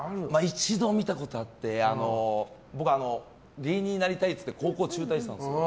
一度見たことがあって僕、芸人になりたいって言って高校中退したんですよ。